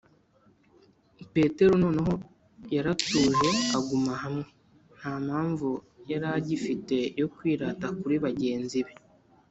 petero noneho yaratuje aguma hamwe nta mpamvu yari agifite yo kwirata kuri bagenzi be